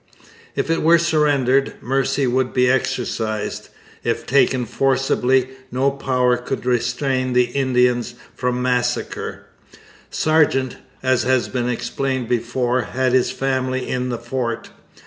If it were surrendered, mercy would be exercised. If taken forcibly, no power could restrain the Indians from massacre. Sargeant, as has been explained before, had his family in the fort.